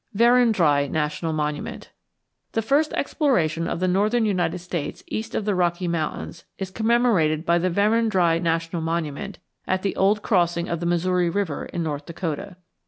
VERENDRYE NATIONAL MONUMENT The first exploration of the northern United States east of the Rocky Mountains is commemorated by the Verendrye National Monument at the Old Crossing of the Missouri River in North Dakota.